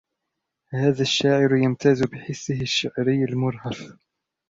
هذا الشاعر يمتاز بحسّه الشعري المرهف.